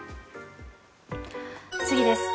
次です。